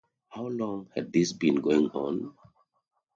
How long had this been going on?